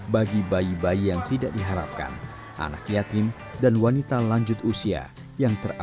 bagi bayi bayi yang tidak diharapkan anak yatim dan wanita lanjut usia